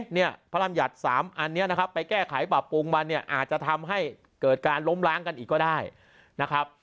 เนี่ยพระรำยัติ๓อันนี้นะครับไปแก้ไขปรับปรุงมันเนี่ยอาจจะทำให้เกิดการล้มล้างกันอีกก็ได้นะครับ